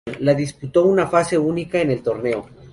La disputó una fase única en el torneo.